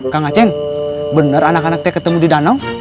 kang achen bener anak anak teh ketemu di danau